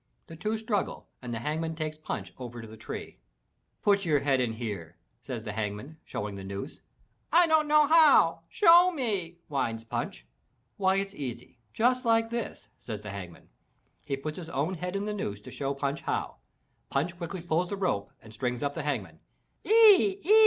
The two struggle and the Hang man takes Punch over to the tree. "Put your head in here," says the Hangman, showing the noose. "I don't know how! Show me!" whines Punch. "Why it's easy! Just like this," says the Hangman. He puts his own head in the noose to show Punch how. Punch quickly pulls the rope and strings up the Hangman. "Oee! Oee!"